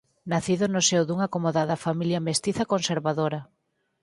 Nacido no seo dunha acomodada familia mestiza conservadora.